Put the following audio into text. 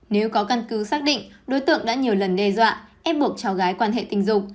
nếu có căn cứ xác định đối tượng đã nhiều lần đe dọa ép buộc cháu gái quan hệ tình dục